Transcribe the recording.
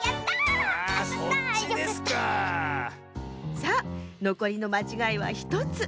さあのこりのまちがいは１つ。